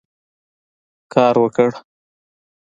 کار وکړه.